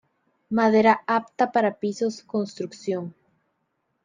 Madera apta para pisos, construcción.